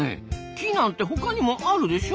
木なんて他にもあるでしょ？